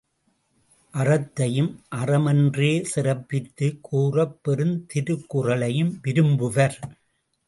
அறத்தையும் அறம் என்றே சிறப்பித்துக் கூறப்பெறும் திருக்குறளையும் விரும்புவர்.